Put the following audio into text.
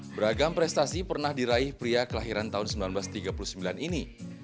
beragam prestasi pernah diraih pria kelahiran tahun seribu sembilan ratus tiga puluh sembilan ini